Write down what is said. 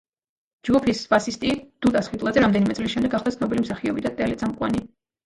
ჯგუფის ბასისტი, დუტა სხირტლაძე, რამდენიმე წლის შემდეგ გახდა ცნობილი მსახიობი და ტელეწამყვანი.